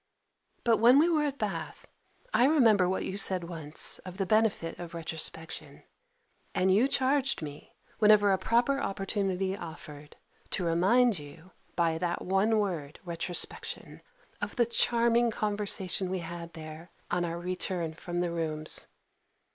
But when we were at Bath, I remember what you said once of the benefit of retrospection: and you charged me, whenever a proper opportunity offered, to remind you, by that one word, retrospection, of the charming conversation we had there, on our return from the rooms.